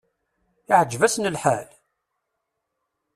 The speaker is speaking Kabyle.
Iɛǧeb-asen lḥal?